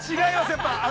やっぱり？